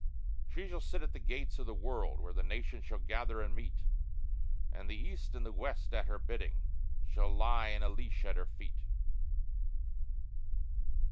She shall sit at the gates of the world, where the nations shall gather and meet, And the East and the West at Her bidding shall lie in a leash at Her feet.